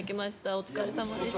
お疲れさまでした。